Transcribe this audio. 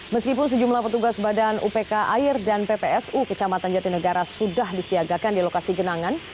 meskipun sejumlah petugas badan upk air dan ppsu kecamatan jatinegara sudah disiagakan di lokasi genangan